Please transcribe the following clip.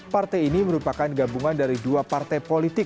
partai ini merupakan gabungan dari dua partai politik